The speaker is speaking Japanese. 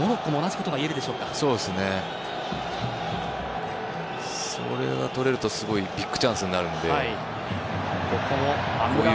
そこでとれるとすごいビッグチャンスになるので。